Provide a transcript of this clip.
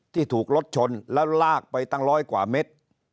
ที่ถูกรถชนแล้วลากไปตั้งร้อยกว่าเมตร